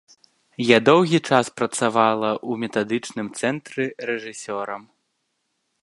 Я доўгі час працавала ў метадычным цэнтры рэжысёрам.